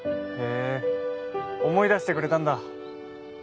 へぇ思い出してくれたんだ